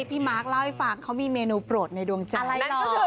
มาร์คเล่าให้ฟังเขามีเมนูโปรดในดวงใจ